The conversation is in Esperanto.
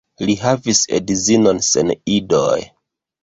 Li havis edzinon sen idoj.